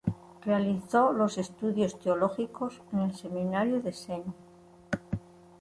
Realizó los estudios teológicos en el seminario de Segni.